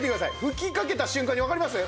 吹きかけた瞬間にわかります？